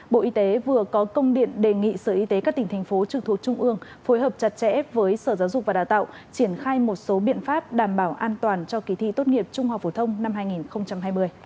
bộ y tế vừa có công điện đề nghị sở y tế các tỉnh thành phố trực thuộc trung ương phối hợp chặt chẽ với sở giáo dục và đào tạo triển khai một số biện pháp đảm bảo an toàn cho kỳ thi tốt nghiệp trung học phổ thông năm hai nghìn hai mươi